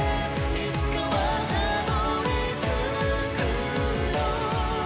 いつかはたどり着くよ」